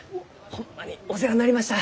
ホンマにお世話になりました！